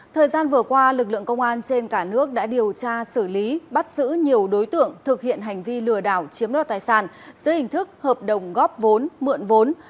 thời gian vừa qua lực lượng công an trên cả nước đã điều tra xử lý bắt giữ nhiều đối tượng thực hiện hành vi lừa đảo chiếm đoạt tài sản dưới hình thức hợp đồng góp vốn mượn vốn